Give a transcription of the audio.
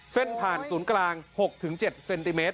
เส้นผ่านศูนย์กลาง๖๗เซนติเมตร